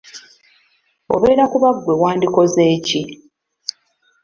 Obeera kuba ggwe, wandikoze ki?